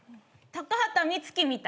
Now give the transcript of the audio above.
高畑充希みたい。